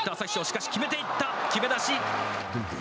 しかしきめていった、きめ出し。